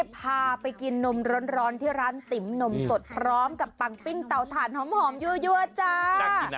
พาไปกินนมร้อนที่ร้านติ๋มนมสดพร้อมกับปังปิ้งเตาถ่านหอมยั่วจ้า